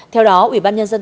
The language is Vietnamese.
theo đó ủy ban nhân dân